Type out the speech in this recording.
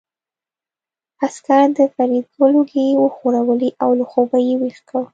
عسکر د فریدګل اوږې وښورولې او له خوبه یې ويښ کړ